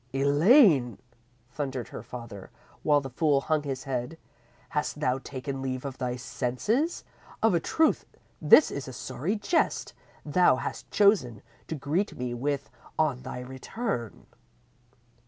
_ _"Elaine!" thundered her father, while the fool hung his head, "hast thou taken leave of thy senses? Of a truth, this is a sorry jest thou hast chosen to greet me with on thy return."